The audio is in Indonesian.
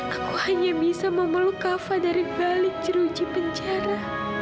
aku hanya bisa memeluk kava dari balik jeruji penjara